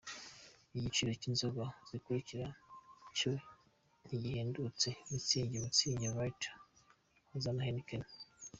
Igiciro cy’inzoga zikurikira cyo ntigihindutse: Mutzig, Mutzig-Lite, Huza na Heineken.